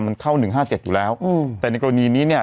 มันเข้า๑๕๗อยู่แล้วอืมแต่ในกรณีนี้เนี่ย